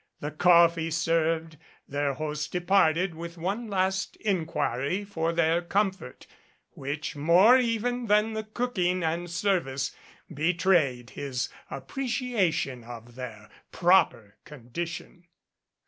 The coffee served, their host departed with one last inquiry for their comfort, which more even than the cooking and service betrayed his appreciation of their proper condition.